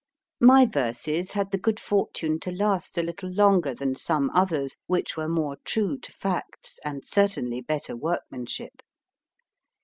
My verses had the good fortune to last a little longer than some others, which were more true to facts and certainly 9 6 MY FIRST BOOK better workmanship.